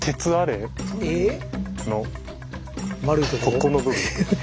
この部分。